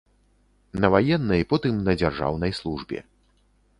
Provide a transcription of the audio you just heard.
На ваеннай, потым на дзяржаўнай службе.